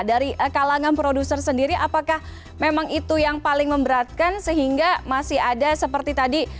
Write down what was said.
dari kalangan produser sendiri apakah memang itu yang paling memberatkan sehingga masih ada seperti tadi